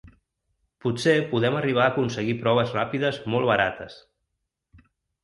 Potser podem arribar a aconseguir proves ràpides molt barates.